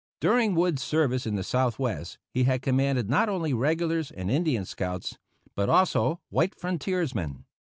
During Wood's service in the Southwest he had commanded not only regulars and Indian scouts, but also white frontiersmen.